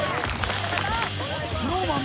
ＳｎｏｗＭａｎ